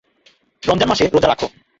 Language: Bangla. রমযান মাসে রোযা রাখ।